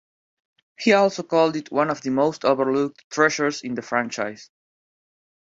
He also called it one of the most overlooked treasures in the franchise.